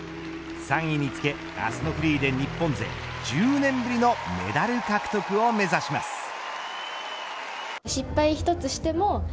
３位につけ明日のフリーで日本勢１０年ぶりのメダル獲得を目指します。